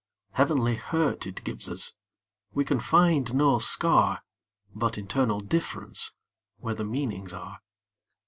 Heavenly hurt it gives us; We can find no scar, But internal differenceWhere the meanings are.